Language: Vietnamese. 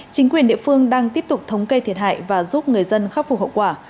chính quyền địa phương đang tiếp tục thống kê thiệt hại và giúp người dân khắc phục hậu quả